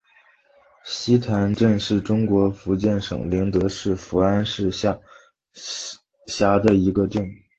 溪潭镇是中国福建省宁德市福安市下辖的一个镇。